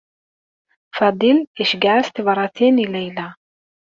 Faḍil iceyyeɛ-as tibṛatin i Layla.